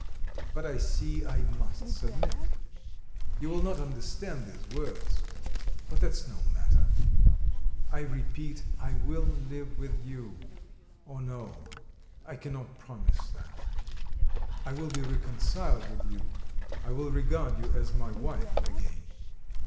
But I see, I must submit. You will not understand these words... but that's no matter. I repeat, I will live with you... or no, I cannot promise that... I will be reconciled with you, I will regard you as my wife again."